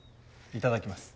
いただきます。